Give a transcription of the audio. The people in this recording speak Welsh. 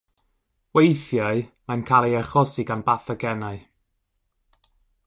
Weithiau mae'n cael ei achosi gan bathogenau.